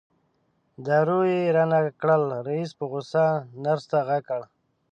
دارو یې رانه کړل رئیس په غوسه نرس ته غږ کړ.